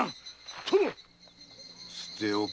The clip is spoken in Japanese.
殿捨ておけ。